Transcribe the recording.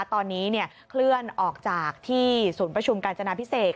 ตอนนี้เคลื่อนออกจากที่ศูนย์ประชุมกาญจนาพิเศษ